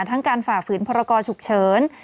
ทั้งการฝ่าฝืนพรกรฉุกเฉิน